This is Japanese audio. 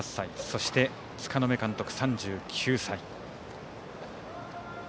そして柄目監督、３９歳。